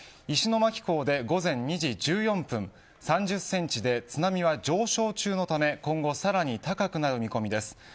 石巻港で午前２時１４分３０センチで津波は上昇中のため、今後さらに高くなる見込みです。